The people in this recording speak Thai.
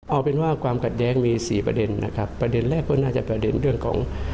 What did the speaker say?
เอาเป็นว่าความขัดแย้งมีสี่ประเด็นนะครับประเด็นแรกก็น่าจะประเด็นเรื่องของ